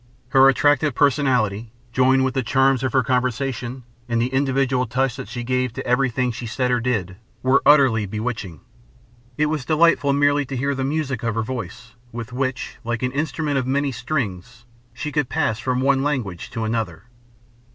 Her attractive personality, joined with the charm of her conversation, and the individual touch that she gave to everything she said or did, were utterly bewitching. It was delightful merely to hear the music of her voice, with which, like an instrument of many strings, she could pass from one language to another.